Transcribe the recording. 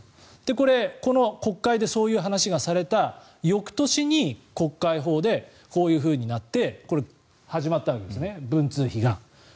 これ、国会でそういう話がされた翌年に国会法でこういうふうになってこれが始まったわけですね文通費が。